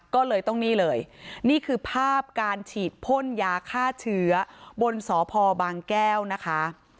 ก็เลยต้องนี่เลยนี่คือภาพการฉีดพ่นยาฆ่าเชื้อบนสพบางแก้วนะคะ